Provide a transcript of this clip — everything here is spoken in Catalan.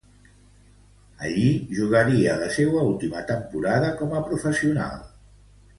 Allí jugaria la seua última temporada com a professional.